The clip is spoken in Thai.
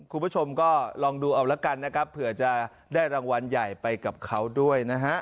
คุณผู้ชมก็ลองดูเอาละกันนะครับเผื่อจะได้รางวัลใหญ่ไปกับเขาด้วยนะฮะ